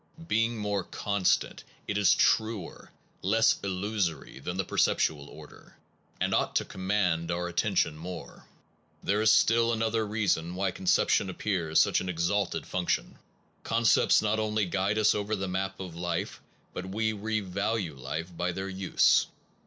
Being more constant, it is truer, less illusory than the perceptual order, and ought to command our attention more. There is still another reason why conception appears such an exalted function. Concepts Concepts no j O nly guide us over the map of bring new values life, but we revalue life by their use.